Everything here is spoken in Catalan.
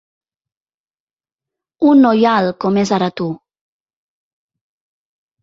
Un noi alt com és ara tu.